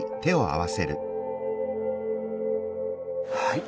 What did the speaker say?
はい。